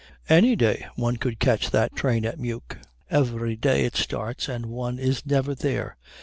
Any day one could catch that train at Meuk. Every day it starts and one is never there.